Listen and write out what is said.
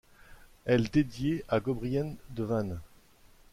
Elle dédiée à Gobrien de Vannes.